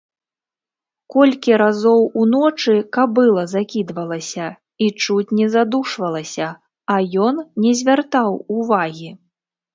Колькі разоў уночы кабыла закідвалася і чуць не задушвалася, а ён не звяртаў увагі.